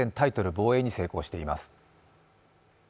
防衛に成功しています。